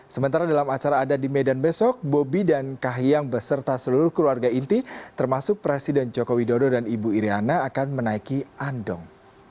sementara dalam acara adat di medan besok bobi dan kahiyang beserta seluruh keluarga inti termasuk presiden joko widodo dan ibu iryana akan menaiki andong